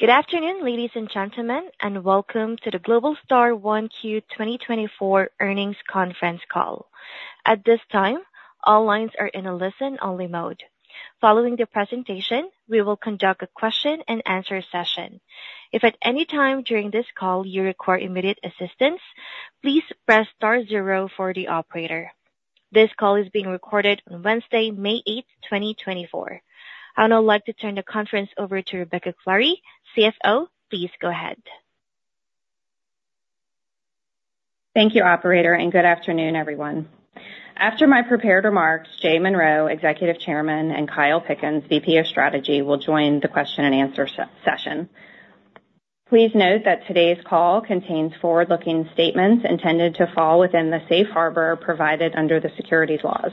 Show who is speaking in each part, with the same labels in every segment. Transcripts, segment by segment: Speaker 1: Good afternoon, ladies and gentlemen, and welcome to the Globalstar 1Q 2024 earnings conference call. At this time, all lines are in a listen-only mode. Following the presentation, we will conduct a question-and-answer session. If at any time during this call you require immediate assistance, please press star zero for the operator. This call is being recorded on Wednesday, May 8, 2024. I would now like to turn the conference over to Rebecca Clary, CFO. Please go ahead.
Speaker 2: Thank you, operator, and good afternoon, everyone. After my prepared remarks, Jay Monroe, Executive Chairman, and Kyle Pickens, VP of Strategy, will join the question-and-answer session. Please note that today's call contains forward-looking statements intended to fall within the safe harbor provided under the securities laws.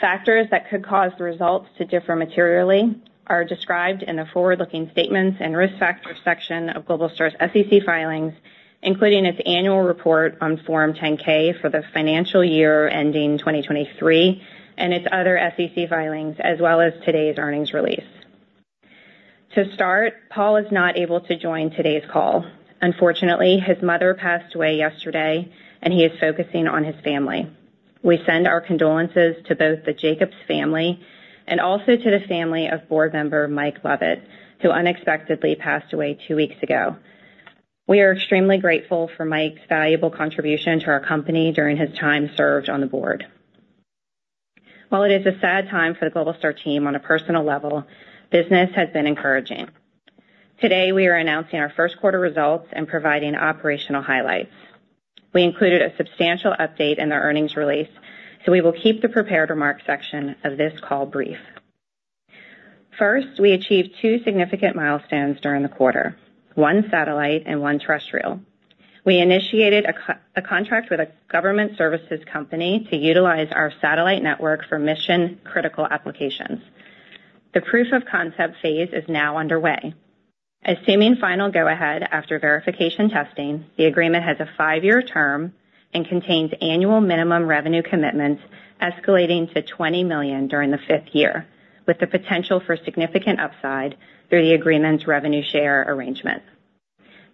Speaker 2: Factors that could cause the results to differ materially are described in the forward-looking statements and risk factors section of Globalstar's SEC filings, including its annual report on Form 10-K for the financial year ending 2023 and its other SEC filings, as well as today's earnings release. To start, Paul is not able to join today's call. Unfortunately, his mother passed away yesterday, and he is focusing on his family. We send our condolences to both the Jacobs family and also to the family of board member Mike Lovett, who unexpectedly passed away two weeks ago. We are extremely grateful for Mike's valuable contribution to our company during his time served on the board. While it is a sad time for the Globalstar team on a personal level, business has been encouraging. Today, we are announcing our first quarter results and providing operational highlights. We included a substantial update in the earnings release, so we will keep the prepared remarks section of this call brief. First, we achieved two significant milestones during the quarter: one satellite and one terrestrial. We initiated a contract with a government services company to utilize our satellite network for mission-critical applications. The proof of concept phase is now underway. Assuming final go-ahead after verification testing, the agreement has a five-year term and contains annual minimum revenue commitments escalating to $20 million during the fifth year, with the potential for significant upside through the agreement's revenue share arrangement.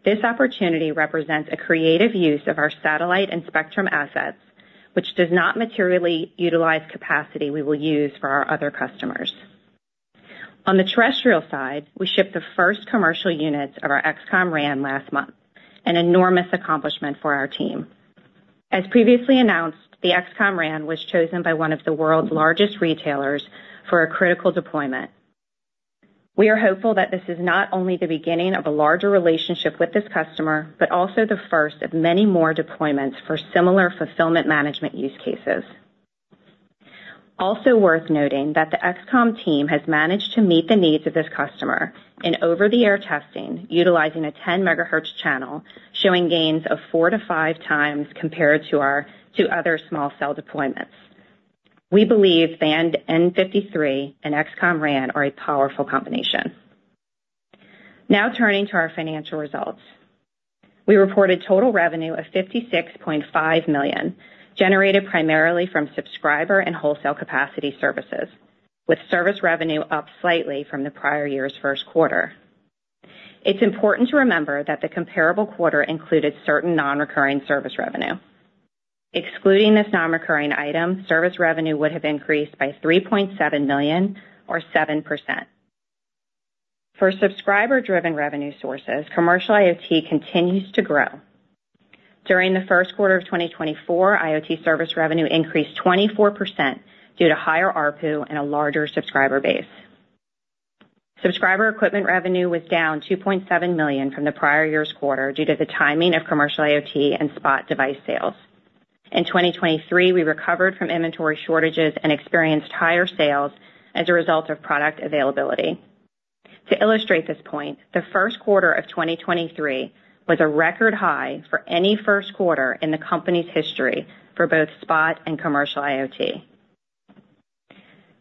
Speaker 2: This opportunity represents a creative use of our satellite and spectrum assets, which does not materially utilize capacity we will use for our other customers. On the terrestrial side, we shipped the first commercial units of our XCOM RAN last month, an enormous accomplishment for our team. As previously announced, the XCOM RAN was chosen by one of the world's largest retailers for a critical deployment. We are hopeful that this is not only the beginning of a larger relationship with this customer but also the first of many more deployments for similar fulfillment management use cases. Also worth noting that the XCOM team has managed to meet the needs of this customer in over-the-air testing utilizing a 10 MHz channel, showing gains of four-five times compared to other small-cell deployments. We believe Band n53 and XCOM RAN are a powerful combination. Now turning to our financial results. We reported total revenue of $56.5 million, generated primarily from subscriber and wholesale capacity services, with service revenue up slightly from the prior year's first quarter. It's important to remember that the comparable quarter included certain non-recurring service revenue. Excluding this non-recurring item, service revenue would have increased by $3.7 million, or 7%. For subscriber-driven revenue sources, commercial IoT continues to grow. During the first quarter of 2024, IoT service revenue increased 24% due to higher ARPU and a larger subscriber base. Subscriber equipment revenue was down $2.7 million from the prior year's quarter due to the timing of commercial IoT and spot device sales. In 2023, we recovered from inventory shortages and experienced higher sales as a result of product availability. To illustrate this point, the first quarter of 2023 was a record high for any first quarter in the company's history for both spot and commercial IoT.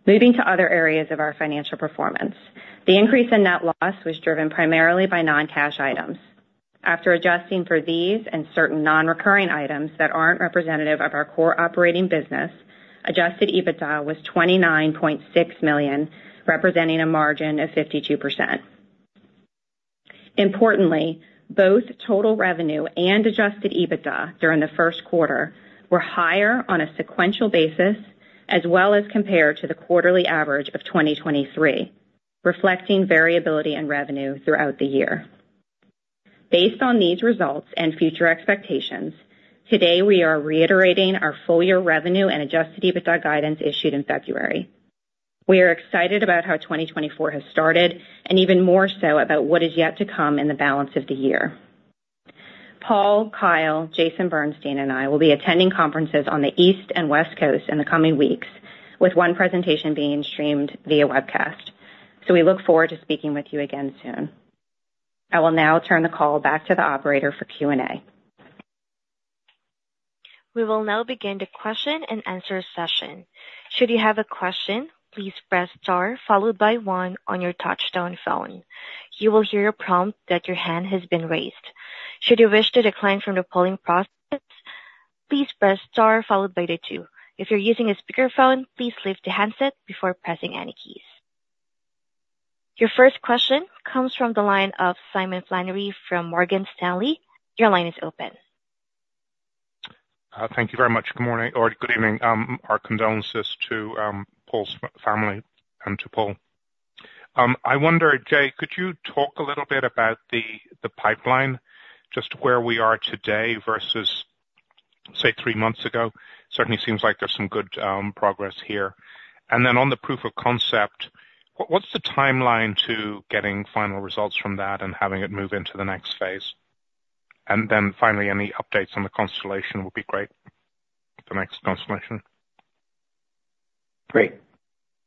Speaker 2: Moving to other areas of our financial performance, the increase in net loss was driven primarily by non-cash items. After adjusting for these and certain non-recurring items that aren't representative of our core operating business, adjusted EBITDA was $29.6 million, representing a margin of 52%. Importantly, both total revenue and adjusted EBITDA during the first quarter were higher on a sequential basis as well as compared to the quarterly average of 2023, reflecting variability in revenue throughout the year. Based on these results and future expectations, today we are reiterating our full-year revenue and adjusted EBITDA guidance issued in February. We are excited about how 2024 has started and even more so about what is yet to come in the balance of the year. Paul, Kyle, Jason Bernstein, and I will be attending conferences on the East and West Coast in the coming weeks, with one presentation being streamed via webcast. So we look forward to speaking with you again soon. I will now turn the call back to the operator for Q&A.
Speaker 1: We will now begin the question-and-answer session. Should you have a question, please press star followed by one on your touch-tone phone. You will hear a prompt that your hand has been raised. Should you wish to decline from the polling process, please press star followed by the two. If you're using a speakerphone, please lift the handset before pressing any keys. Your first question comes from the line of Simon Flannery from Morgan Stanley. Your line is open.
Speaker 3: Thank you very much. Good morning or good evening. Our condolences to Paul's family and to Paul. I wonder, Jay, could you talk a little bit about the pipeline, just where we are today versus, say, three months ago? Certainly seems like there's some good progress here. And then on the proof of concept, what's the timeline to getting final results from that and having it move into the next phase? And then finally, any updates on the constellation would be great, the next constellation.
Speaker 4: Great.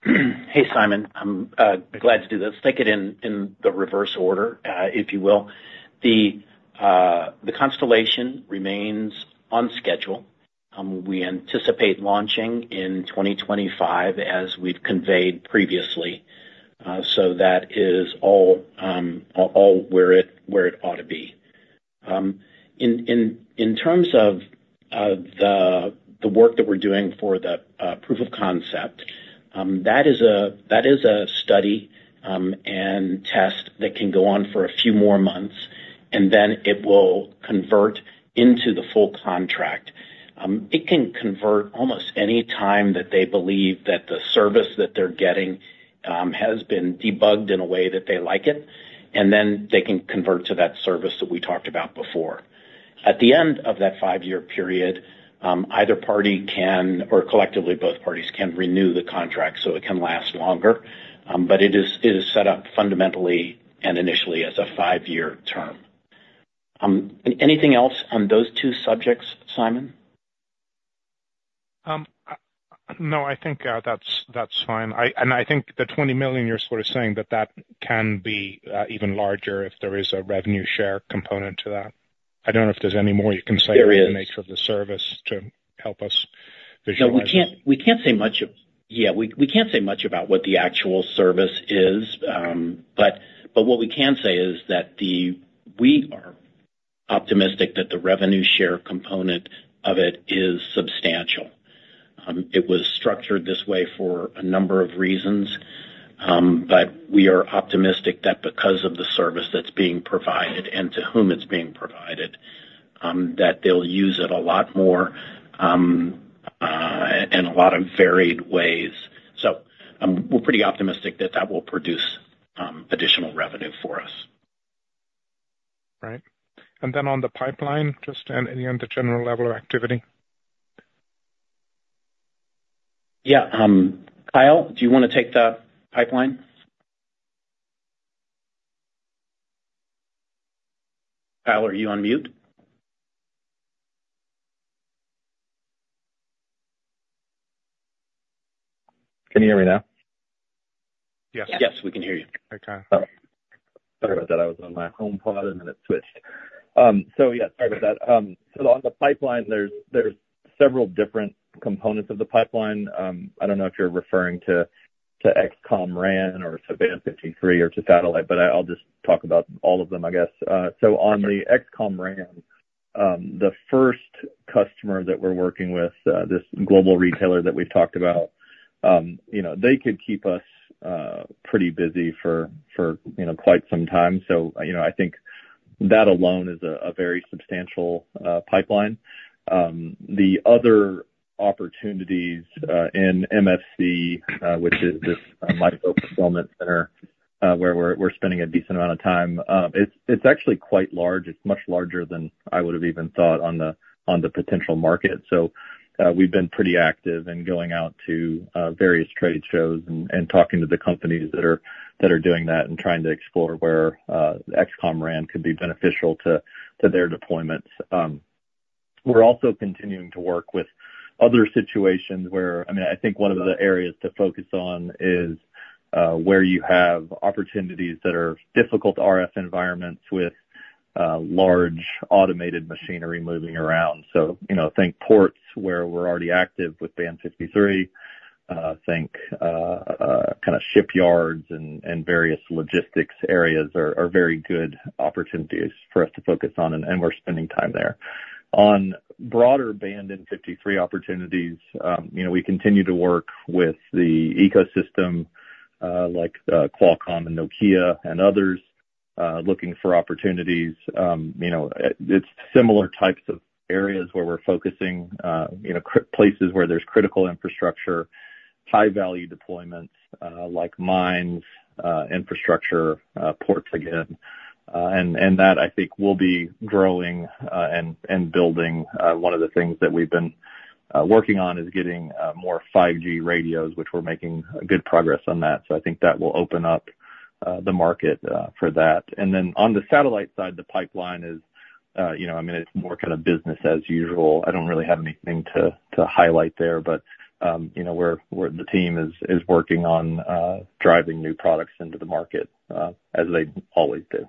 Speaker 4: Hey, Simon. I'm glad to do this. Let's take it in the reverse order, if you will. The constellation remains on schedule. We anticipate launching in 2025, as we've conveyed previously. So that is all where it ought to be. In terms of the work that we're doing for the proof of concept, that is a study and test that can go on for a few more months, and then it will convert into the full contract. It can convert almost any time that they believe that the service that they're getting has been debugged in a way that they like it, and then they can convert to that service that we talked about before. At the end of that five-year period, either party can or collectively, both parties can renew the contract so it can last longer. But it is set up fundamentally and initially as a five-year term. Anything else on those two subjects, Simon?
Speaker 3: No, I think that's fine. I think the $20 million you're sort of saying that that can be even larger if there is a revenue share component to that. I don't know if there's any more you can say about the nature of the service to help us visualize?
Speaker 4: No, we can't say much about what the actual service is. But what we can say is that we are optimistic that the revenue share component of it is substantial. It was structured this way for a number of reasons. But we are optimistic that because of the service that's being provided and to whom it's being provided, that they'll use it a lot more in a lot of varied ways. So we're pretty optimistic that that will produce additional revenue for us.
Speaker 3: Right. And then on the pipeline, just any other general level of activity?
Speaker 4: Yeah. Kyle, do you want to take the pipeline? Kyle, are you on mute?
Speaker 5: Can you hear me now?
Speaker 3: Yes.
Speaker 4: Yes, we can hear you.
Speaker 5: Okay. Sorry about that. I was on my HomePod, and then it switched. So yeah, sorry about that. So on the pipeline, there's several different components of the pipeline. I don't know if you're referring to XCOM RAN or to Band 53 or to satellite, but I'll just talk about all of them, I guess. So on the XCOM RAN, the first customer that we're working with, this global retailer that we've talked about, they could keep us pretty busy for quite some time. So I think that alone is a very substantial pipeline. The other opportunities in MFC, which is this micro fulfillment center where we're spending a decent amount of time, it's actually quite large. It's much larger than I would have even thought on the potential market. So we've been pretty active in going out to various trade shows and talking to the companies that are doing that and trying to explore where XCOM RAN could be beneficial to their deployments. We're also continuing to work with other situations where I mean, I think one of the areas to focus on is where you have opportunities that are difficult RF environments with large automated machinery moving around. So think ports where we're already active with Band 53. Think kind of shipyards and various logistics areas are very good opportunities for us to focus on, and we're spending time there. On broader Band n53 opportunities, we continue to work with the ecosystem like Qualcomm and Nokia and others, looking for opportunities. It's similar types of areas where we're focusing, places where there's critical infrastructure, high-value deployments like mines, infrastructure, ports again. That, I think, will be growing and building. One of the things that we've been working on is getting more 5G radios, which we're making good progress on that. So I think that will open up the market for that. And then on the satellite side, the pipeline is I mean, it's more kind of business as usual. I don't really have anything to highlight there, but the team is working on driving new products into the market, as they always do.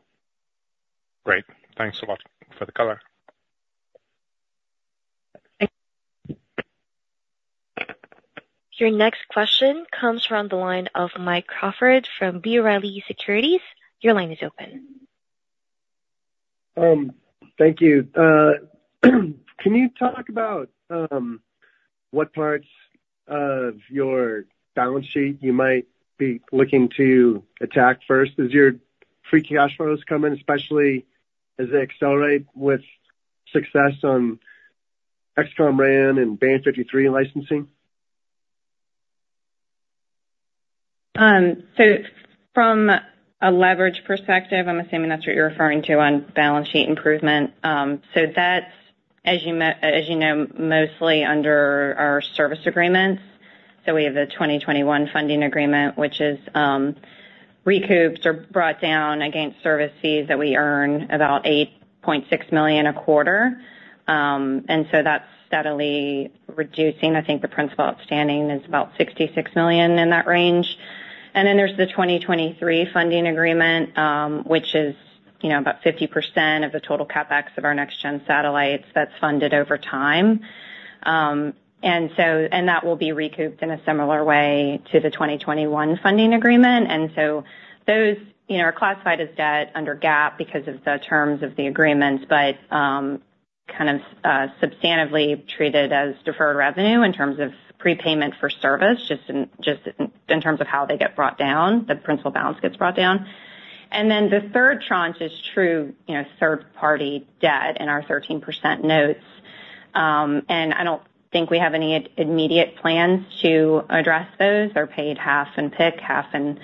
Speaker 3: Great. Thanks a lot for the color.
Speaker 1: Thanks. Your next question comes from the line of Mike Crawford from B. Riley Securities. Your line is open.
Speaker 6: Thank you. Can you talk about what parts of your balance sheet you might be looking to attack first as your free cash flows come in, especially as they accelerate with success on XCOM RAN and Band 53 licensing?
Speaker 2: So from a leverage perspective, I'm assuming that's what you're referring to on balance sheet improvement. So that's, as you know, mostly under our service agreements. So we have the 2021 funding agreement, which is recouped or brought down against service fees that we earn about $8.6 million a quarter. And so that's steadily reducing. I think the principal outstanding is about $66 million in that range. And then there's the 2023 funding agreement, which is about 50% of the total CapEx of our next-gen satellites that's funded over time. And that will be recouped in a similar way to the 2021 funding agreement. And so those are classified as debt under GAAP because of the terms of the agreements, but kind of substantively treated as deferred revenue in terms of prepayment for service, just in terms of how they get brought down, the principal balance gets brought down. Then the third tranche is true third-party debt in our 13% notes. I don't think we have any immediate plans to address those. They're paid half in PIK, half in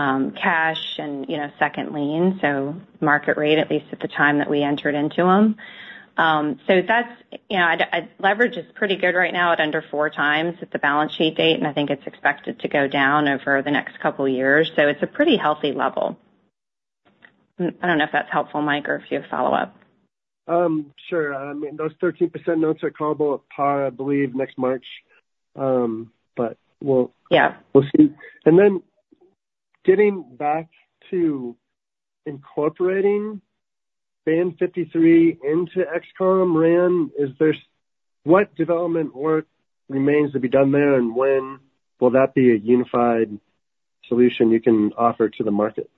Speaker 2: cash and second lien, so market rate, at least at the time that we entered into them. So leverage is pretty good right now at under four times at the balance sheet date, and I think it's expected to go down over the next couple of years. So it's a pretty healthy level. I don't know if that's helpful, Mike, or if you have follow-up.
Speaker 6: Sure. I mean, those 13% notes are callable at PAR, I believe, next March. But we'll see. And then getting back to incorporating Band 53 into XCOM RAN, what development work remains to be done there, and when will that be a unified solution you can offer to the market?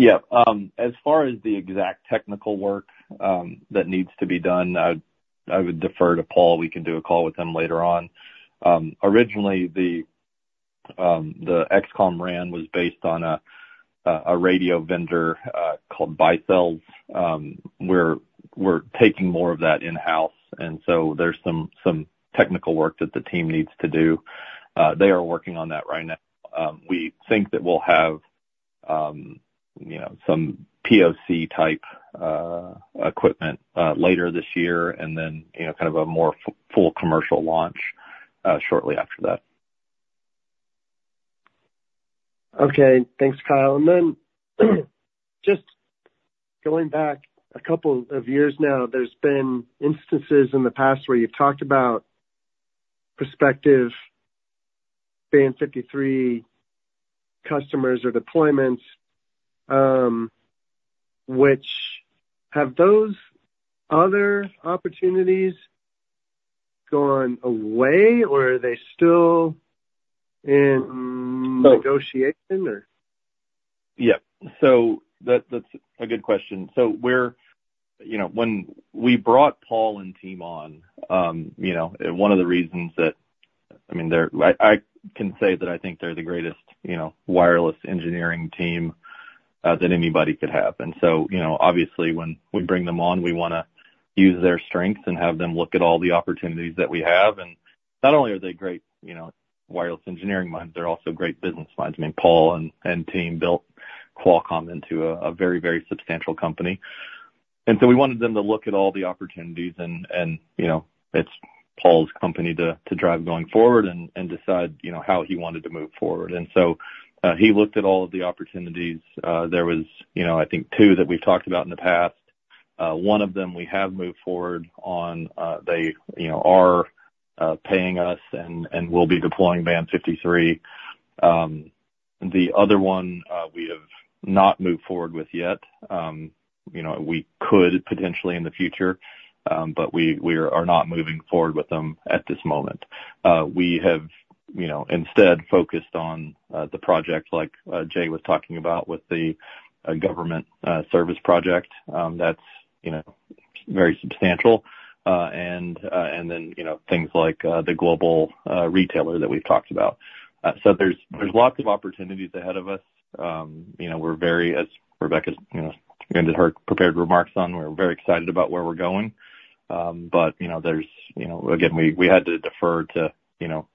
Speaker 5: Yeah. As far as the exact technical work that needs to be done, I would defer to Paul. We can do a call with him later on. Originally, the XCOM RAN was based on a radio vendor called Baicells. We're taking more of that in-house. And so there's some technical work that the team needs to do. They are working on that right now. We think that we'll have some POC-type equipment later this year and then kind of a more full commercial launch shortly after that.
Speaker 6: Okay. Thanks, Kyle. And then just going back a couple of years now, there's been instances in the past where you've talked about prospective Band 53 customers or deployments. Have those other opportunities gone away, or are they still in negotiation, or?
Speaker 5: Yep. So that's a good question. So when we brought Paul and team on, one of the reasons that I mean, I can say that I think they're the greatest wireless engineering team that anybody could have. And so obviously, when we bring them on, we want to use their strengths and have them look at all the opportunities that we have. And not only are they great wireless engineering minds, they're also great business minds. I mean, Paul and team built Qualcomm into a very, very substantial company. And so we wanted them to look at all the opportunities, and it's Paul's company to drive going forward and decide how he wanted to move forward. And so he looked at all of the opportunities. There was, I think, two that we've talked about in the past. One of them, we have moved forward on. They are paying us and will be deploying Band 53. The other one, we have not moved forward with yet. We could potentially in the future, but we are not moving forward with them at this moment. We have instead focused on the project like Jay was talking about with the government service project. That's very substantial. And then things like the global retailer that we've talked about. So there's lots of opportunities ahead of us. We're very, as Rebecca's and her prepared remarks on, we're very excited about where we're going. But again, we had to defer to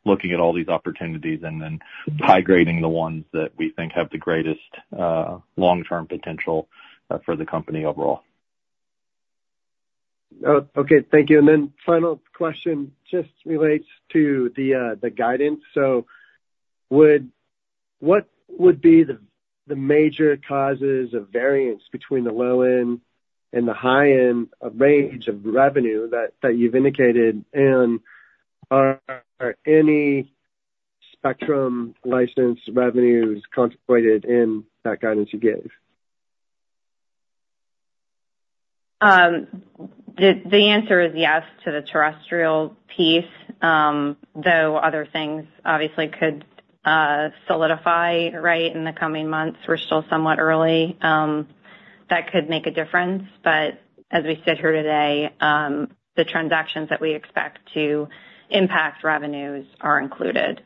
Speaker 5: looking at all these opportunities and then high-grading the ones that we think have the greatest long-term potential for the company overall.
Speaker 6: Okay. Thank you. And then final question just relates to the guidance. So what would be the major causes of variance between the low-end and the high-end range of revenue that you've indicated? And are any spectrum license revenues contemplated in that guidance you gave?
Speaker 2: The answer is yes to the terrestrial piece, though other things obviously could solidify, right, in the coming months. We're still somewhat early. That could make a difference. But as we sit here today, the transactions that we expect to impact revenues are included.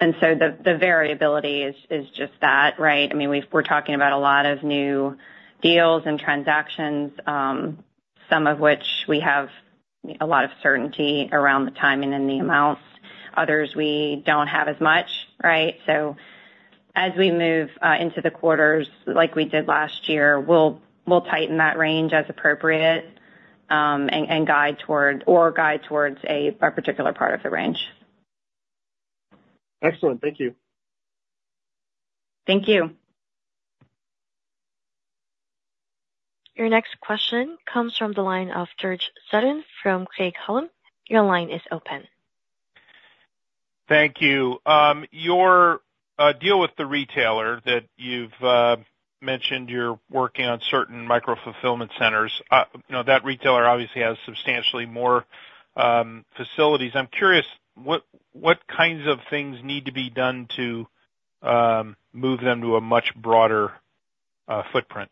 Speaker 2: And so the variability is just that, right? I mean, we're talking about a lot of new deals and transactions, some of which we have a lot of certainty around the timing and the amounts. Others, we don't have as much, right? So as we move into the quarters like we did last year, we'll tighten that range as appropriate and guide toward or guide towards a particular part of the range.
Speaker 6: Excellent. Thank you.
Speaker 2: Thank you.
Speaker 1: Your next question comes from the line of George Sutton from Craig-Hallum. Your line is open.
Speaker 7: Thank you. Your deal with the retailer that you've mentioned you're working on certain micro fulfillment centers, that retailer obviously has substantially more facilities. I'm curious, what kinds of things need to be done to move them to a much broader footprint?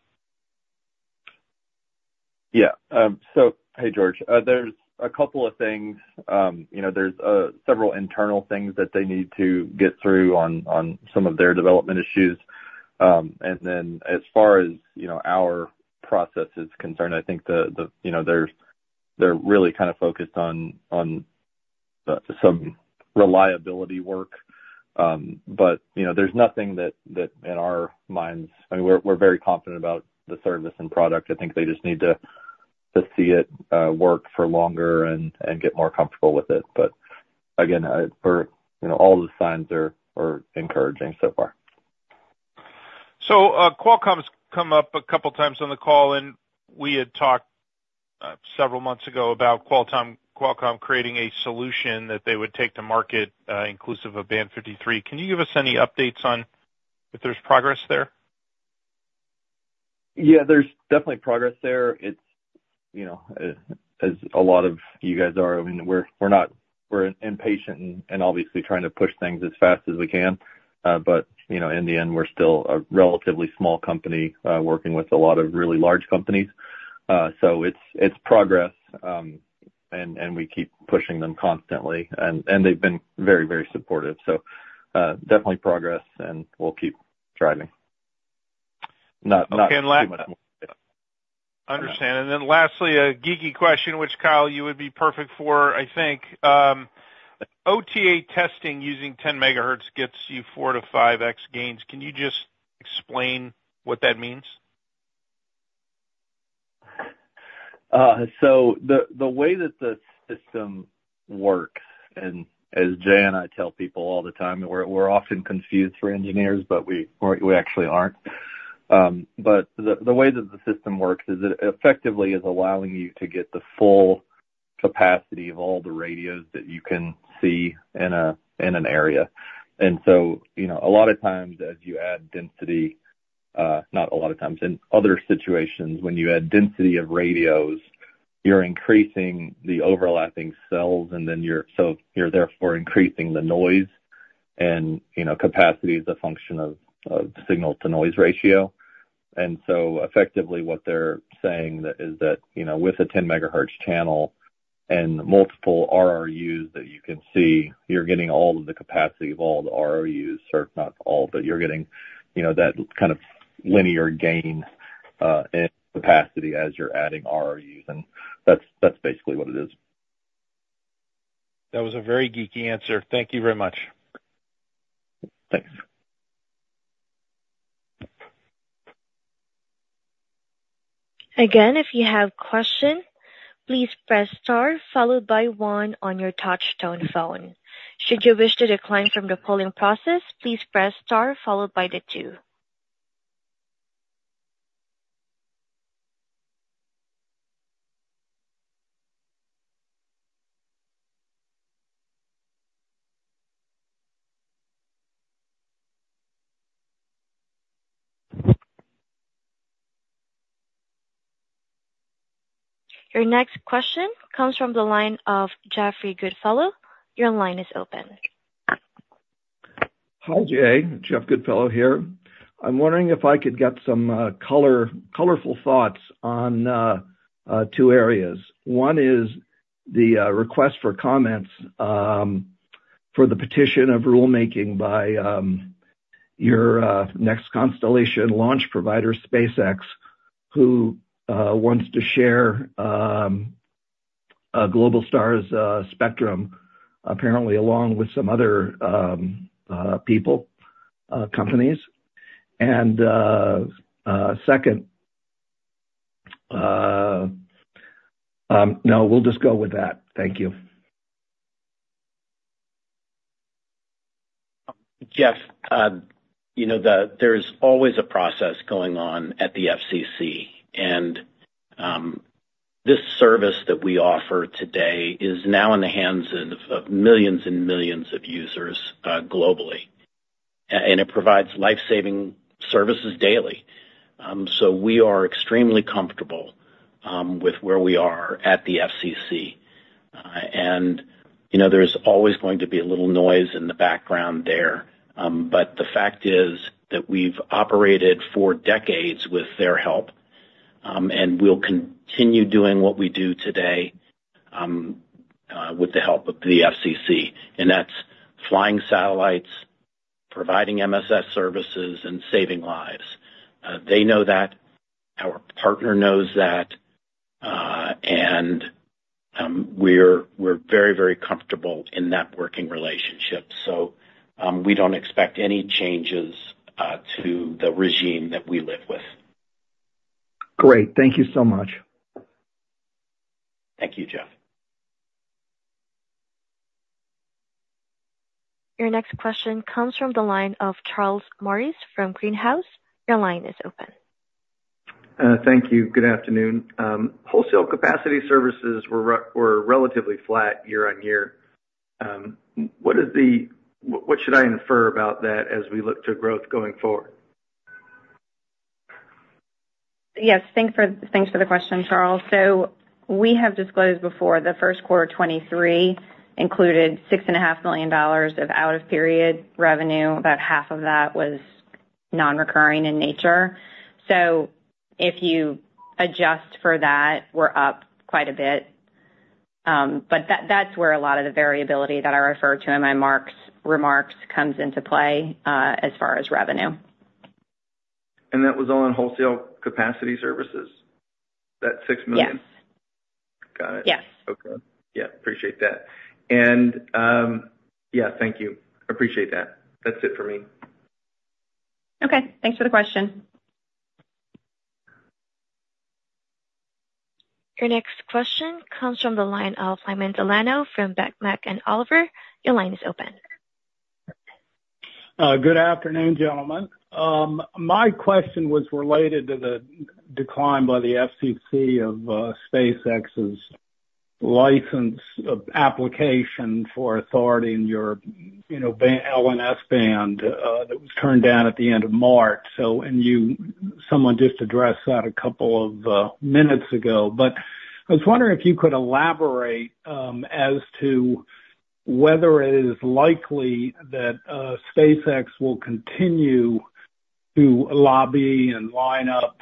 Speaker 5: Yeah. So hey, George. There's a couple of things. There's several internal things that they need to get through on some of their development issues. And then as far as our process is concerned, I think they're really kind of focused on some reliability work. But there's nothing that in our minds, I mean, we're very confident about the service and product. I think they just need to see it work for longer and get more comfortable with it. But again, all the signs are encouraging so far.
Speaker 7: Qualcomm's come up a couple of times on the call, and we had talked several months ago about Qualcomm creating a solution that they would take to market inclusive of Band 53. Can you give us any updates on if there's progress there?
Speaker 5: Yeah. There's definitely progress there. As a lot of you guys are, I mean, we're impatient and obviously trying to push things as fast as we can. But in the end, we're still a relatively small company working with a lot of really large companies. So it's progress, and we keep pushing them constantly. And they've been very, very supportive. So definitely progress, and we'll keep driving. Not too much more.
Speaker 7: Okay. And then lastly, a geeky question, which, Kyle, you would be perfect for, I think. OTA testing using 10 MHz gets you 4x-5x gains. Can you just explain what that means?
Speaker 5: So the way that the system works, and as Jay and I tell people all the time, we're often confused for engineers, but we actually aren't. But the way that the system works is it effectively is allowing you to get the full capacity of all the radios that you can see in an area. And so a lot of times, as you add density not a lot of times. In other situations, when you add density of radios, you're increasing the overlapping cells, and then you're so you're therefore increasing the noise and capacity as a function of signal-to-noise ratio. And so effectively, what they're saying is that with a 10 MHz channel and multiple RRUs that you can see, you're getting all of the capacity of all the RRUs or not all, but you're getting that kind of linear gain in capacity as you're adding RRUs. And that's basically what it is.
Speaker 7: That was a very geeky answer. Thank you very much.
Speaker 5: Thanks.
Speaker 1: Again, if you have questions, please press star followed by one on your touch-tone phone. Should you wish to decline from the polling process, please press star followed by two. Your next question comes from the line of Jeffrey Goodfellow. Your line is open.
Speaker 8: Hi, Jay. Jeff Goodfellow here. I'm wondering if I could get some colorful thoughts on two areas. One is the request for comments for the petition of rulemaking by your next constellation launch provider, SpaceX, who wants to share Globalstar's spectrum, apparently along with some other people, companies. And second no, we'll just go with that. Thank you.
Speaker 4: Jeff, there's always a process going on at the FCC. This service that we offer today is now in the hands of millions and millions of users globally. It provides lifesaving services daily. So we are extremely comfortable with where we are at the FCC. There's always going to be a little noise in the background there. But the fact is that we've operated for decades with their help, and we'll continue doing what we do today with the help of the FCC. That's flying satellites, providing MSS services, and saving lives. They know that. Our partner knows that. We're very, very comfortable in that working relationship. So we don't expect any changes to the regime that we live with.
Speaker 8: Great. Thank you so much.
Speaker 4: Thank you, Jeff.
Speaker 1: Your next question comes from the line of Charles Morris from Greenhouse. Your line is open.
Speaker 9: Thank you. Good afternoon. Wholesale capacity services were relatively flat year-over-year. What should I infer about that as we look to growth going forward?
Speaker 2: Yes. Thanks for the question, Charles. So we have disclosed before, the first quarter 2023 included $6.5 million of out-of-period revenue. About half of that was non-recurring in nature. So if you adjust for that, we're up quite a bit. But that's where a lot of the variability that I referred to in my remarks comes into play as far as revenue.
Speaker 9: That was all in wholesale capacity services, that $6 million?
Speaker 2: Yes.
Speaker 9: Got it.
Speaker 2: Yes.
Speaker 9: Okay. Yeah. Appreciate that. Yeah, thank you. Appreciate that. That's it for me.
Speaker 2: Okay. Thanks for the question.
Speaker 1: Your next question comes from the line of Lyman Delano from Beck Mack & Oliver. Your line is open.
Speaker 10: Good afternoon, gentlemen. My question was related to the decline by the FCC of SpaceX's license application for authority in your L and S band that was turned down at the end of March. Someone just addressed that a couple of minutes ago. I was wondering if you could elaborate as to whether it is likely that SpaceX will continue to lobby and line up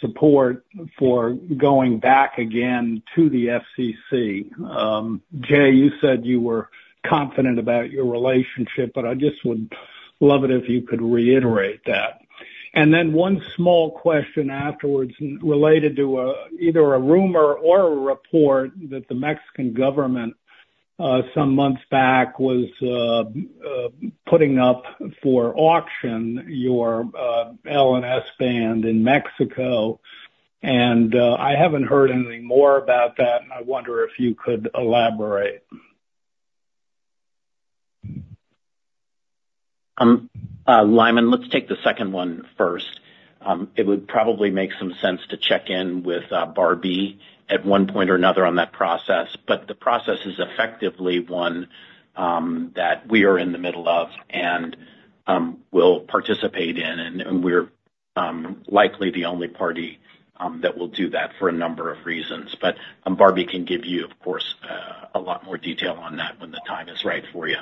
Speaker 10: support for going back again to the FCC. Jay, you said you were confident about your relationship, but I just would love it if you could reiterate that. Then one small question afterwards related to either a rumor or a report that the Mexican government some months back was putting up for auction your L and S band in Mexico. I haven't heard anything more about that, and I wonder if you could elaborate.
Speaker 4: Lyman, let's take the second one first. It would probably make some sense to check in with Barbee at one point or another on that process. But the process is effectively one that we are in the middle of and will participate in. And we're likely the only party that will do that for a number of reasons. But Barbee can give you, of course, a lot more detail on that when the time is right for you.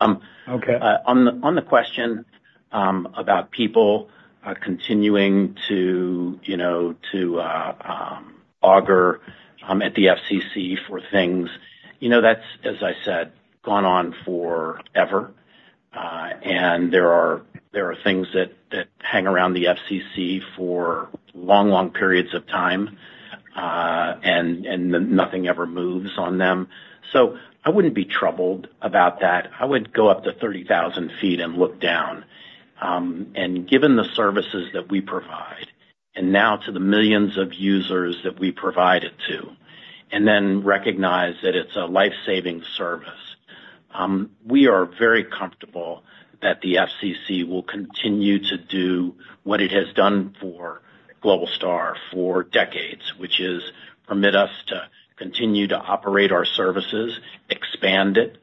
Speaker 4: On the question about people continuing to augur at the FCC for things, that's, as I said, gone on forever. And there are things that hang around the FCC for long, long periods of time, and nothing ever moves on them. So I wouldn't be troubled about that. I would go up to 30,000 feet and look down. Given the services that we provide and now to the millions of users that we provide it to and then recognize that it's a lifesaving service, we are very comfortable that the FCC will continue to do what it has done for Globalstar for decades, which is permit us to continue to operate our services, expand it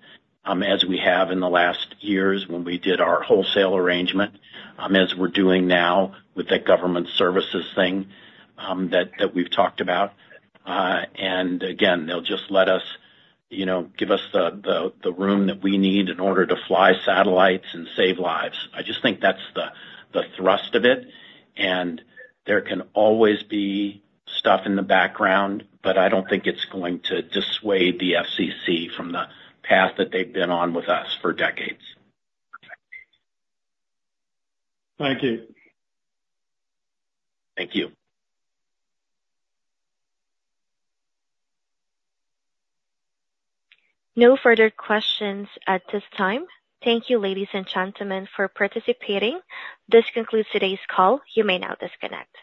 Speaker 4: as we have in the last years when we did our wholesale arrangement, as we're doing now with that government services thing that we've talked about. And again, they'll just let us give us the room that we need in order to fly satellites and save lives. I just think that's the thrust of it. There can always be stuff in the background, but I don't think it's going to dissuade the FCC from the path that they've been on with us for decades.
Speaker 10: Thank you.
Speaker 4: Thank you.
Speaker 1: No further questions at this time. Thank you, ladies and gentlemen, for participating. This concludes today's call. You may now disconnect.